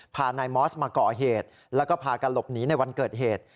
พานายมอสมาก่อเหตุแล้วก็พากันหลบหนีในวันเกิดเหตุ